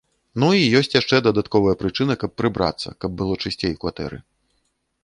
Ну, і ёсць яшчэ дадатковая прычына, каб прыбрацца, каб было чысцей у кватэры.